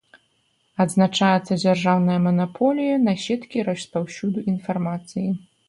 Адзначаецца дзяржаўная манаполія на сеткі распаўсюду інфармацыі.